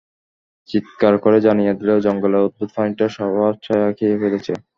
চিত্কার করে জানিয়ে দিল জঙ্গলের অদ্ভুত প্রাণীটা সবার ছায়া খেয়ে ফেলেছে।